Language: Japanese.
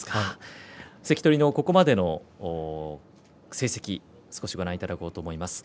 関取のここまでの成績、少しご覧いただこうと思います。